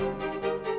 apa sih dirimu ini